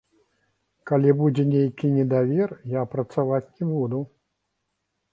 Калі будзе нейкі недавер, я працаваць не буду.